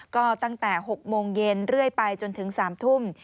ก็ตั้งแต่๖โมงเย็นเรื่อยไปจนถึง๓ทุ่ม